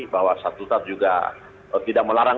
bahwa satu satu juga tidak melarang untuk melakukan